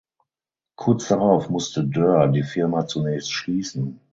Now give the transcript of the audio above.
Kurz darauf musste Dörr die Firma zunächst schließen.